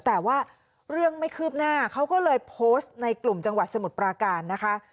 แต่ว่าเรื่องไม่คืบหน้าเขาก็เลยโพสต์ในกลุ่มจังหวัดสมุทรปราการนะคะ